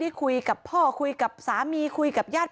มีเรื่องอะไรมาคุยกันรับได้ทุกอย่าง